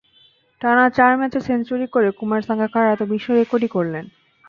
টানা চার ম্যাচে সেঞ্চুরি করে কুমার সাঙ্গাকারা তো বিশ্ব রেকর্ডই করলেন।